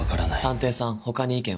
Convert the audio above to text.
探偵さん他に意見は？